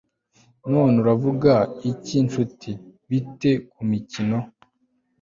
none uravuga iki nshuti, bite kumikino